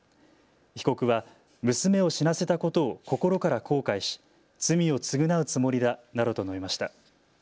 被告は娘を死なせたことを心から後悔し罪を償うつもりだなどと述べました。